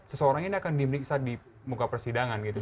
seseorang ini akan diperiksa di muka persidangan gitu